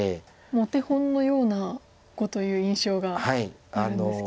もうお手本のような碁という印象があるんですけど。